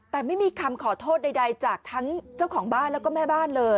แต่ไม่มีคำขอโทษใดจากทั้งเจ้าของบ้านแล้วก็แม่บ้านเลย